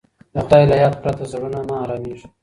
د خدای له یاد پرته زړونه نه ارامیږي.